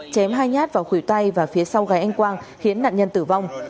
chém hai nhát vào khủy tay và phía sau gái anh quang khiến nạn nhân tử vong